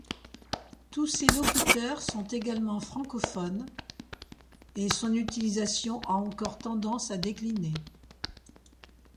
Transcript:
Tous ses locuteurs sont également francophones et son utilisation a encore tendance à décliner.